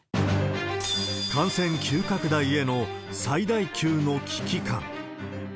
感染急拡大への最大級の危機感。